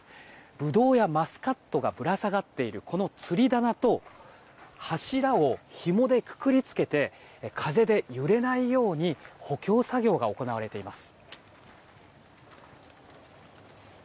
ブドウやマスカットがぶら下がっているこのつり棚と柱をひもでくくり付けて風で揺れないように補強作業が行われています。